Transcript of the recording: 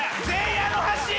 あの橋へ！